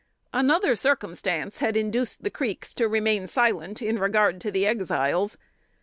Another circumstance had induced the Creeks to remain silent in regard to the Exiles.